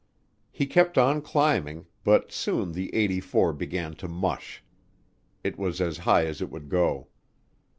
He kept on climbing, but soon the '84 began to mush; it was as high as it would go.